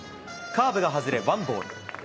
カーブが外れ、ワンボール。